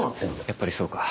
やっぱりそうか。